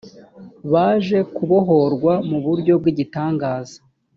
baje kubohorwa mu buryo bw’igitangaza